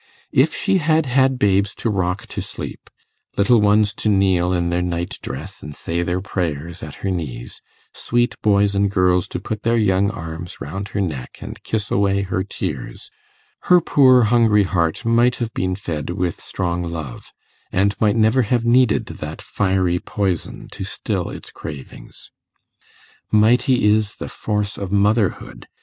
If she had had babes to rock to sleep little ones to kneel in their night dress and say their prayers at her knees sweet boys and girls to put their young arms round her neck and kiss away her tears, her poor hungry heart would have been fed with strong love, and might never have needed that fiery poison to still its cravings. Mighty is the force of motherhood!